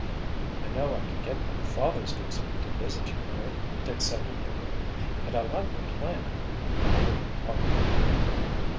"I know I can get my father's consent to 'visit you' here," Dick said eagerly. "And I like the plan," he added heartily.